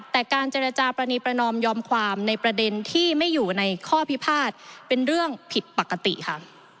แต่การเจรจาปรณีประนอมยอมความในประเด็นที่ไม่อยู่ในข้อพิพาทเป็นเรื่องผิดปกติค่ะ